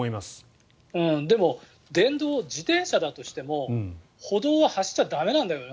でも電動自転車だとしても歩道は走っちゃ駄目なんだよね